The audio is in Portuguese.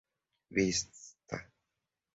vista